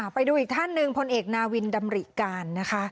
ไปดูอีกท่านหนึ่งพลเอกนาวินดำริการนะคะ